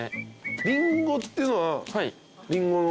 リンゴっていうのはリンゴの。